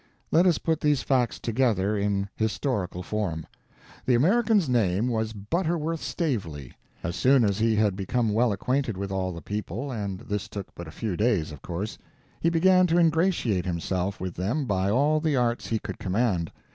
Let us put these facts together in historical form. The American's name was Butterworth Stavely. As soon as he had become well acquainted with all the people and this took but a few days, of course he began to ingratiate himself with them by all the arts he could command.